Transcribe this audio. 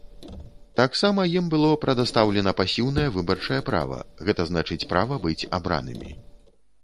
Таксама ім было прадастаўлена пасіўнае выбарчае права, гэта значыць права быць абранымі.